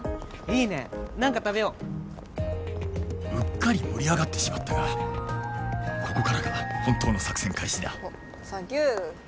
いいね何か食べよううっかり盛り上がってしまったがここからが本当の作戦開始だおっサンキュー